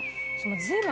随分。